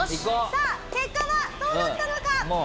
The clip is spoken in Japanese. さあ結果はどうだったのか？